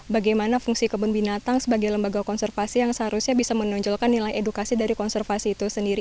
bagaimana fungsi kebun binatang sebagai lembaga konservasi yang seharusnya bisa menonjolkan nilai edukasi dari konservasi itu sendiri